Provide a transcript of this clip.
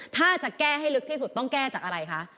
ถ้าจะแก้ให้ลึกที่สุดต้องแก้จากอะไรคะ